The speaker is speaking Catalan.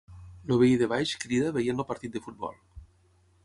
El veí de baix crida veient el partir de futbol